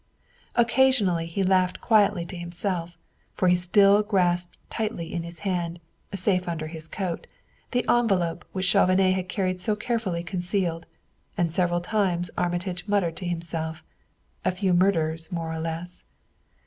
Occasionally he laughed quietly to himself, for he still grasped tightly in his hand, safe under his coat, the envelope which Chauvenet had carried so carefully concealed; and several times Armitage muttered to himself: "A few murders, more or less!"